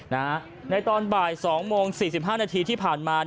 ในตอนบ่าย๒โมง๔๕นาทีที่ผ่านมา